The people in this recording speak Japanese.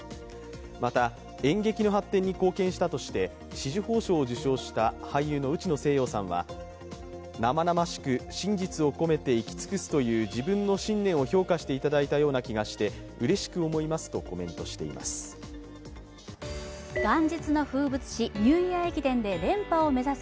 また、演劇の発展に貢献したとして紫綬褒章を受章した俳優の内野聖陽さんは、生々しく真実を込めて生き尽くすという自分の信念を評価していただいたような気がしてうれしく思いますとコメントしています。